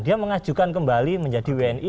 dia mengajukan kembali menjadi wni